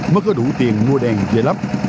mất có đủ tiền mua đèn về lắp